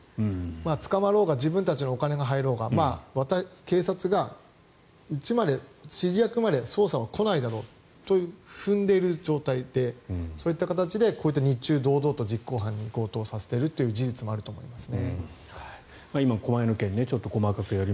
捕まろうが自分たちにお金が入ろうが警察が指示役まで捜査は来ないだろうと踏んでいる状態でそういった形で日中堂々と実行犯に強盗させているという事実があると思いますね。